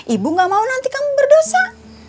ibu gak mau nanti kamu berdosa